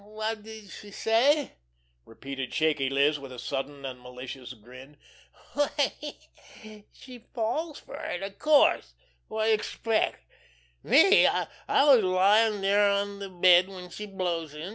"Wot did she say?" repeated Shaky Liz, with a sudden and malicious grin. "Why, she falls fer it, of course! Wot d'ye expect? Me, I was lyin' dere on de bed when she blows in.